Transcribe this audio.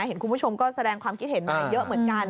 เห็นคุณผู้ชมก็แสดงความคิดเห็นมาเยอะเหมือนกัน